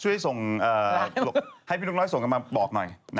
ช่วยส่งให้พี่นกน้อยส่งกันมาบอกหน่อย